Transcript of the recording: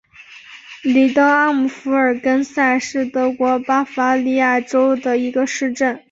里登阿姆福尔根塞是德国巴伐利亚州的一个市镇。